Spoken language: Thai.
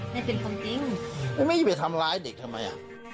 ไม่ได้เป็นคนจริงไม่ได้เป็นคนจริงไม่ได้ไปทำร้ายเด็กทำไม